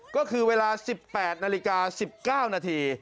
ก็คือเวลา๑๘นาฬิกา๑๙นาที